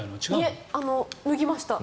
いや、脱ぎました。